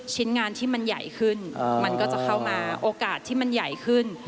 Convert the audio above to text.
ชิ้นงานที่มันใหญ่ขึ้นมันก็จะเข้ามาโอกาสที่มันใหญ่ขึ้น